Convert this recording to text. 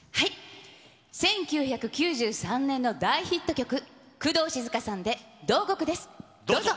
１９９３年の大ヒット曲、工藤静香さんで慟哭です、どうぞ。